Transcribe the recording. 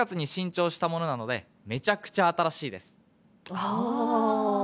ああ！